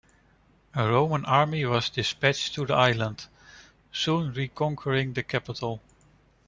A Roman army was dispatched to the island, soon reconquering the capital.